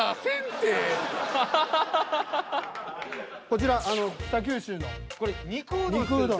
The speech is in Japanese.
こちら北九州の。